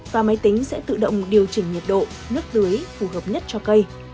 và máy tính sẽ tự động điều chỉnh nhiệt độ nước tưới phù hợp nhất cho cây